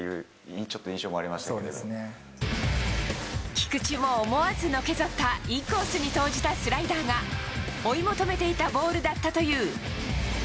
菊池も思わずのけぞったインコースに投じたスライダーが追い求めていたボールだったという。